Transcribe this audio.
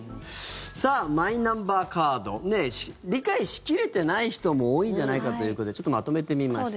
さあ、マイナンバーカード理解しきれてない人も多いんじゃないかということでちょっとまとめてみました。